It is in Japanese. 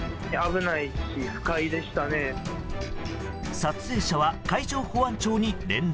撮影者は海上保安庁に連絡。